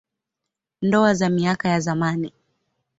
Ndoa za miaka ya zamani.